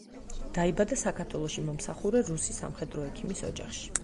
დაიბადა საქართველოში მომსახურე რუსი სამხედრო ექიმის ოჯახში.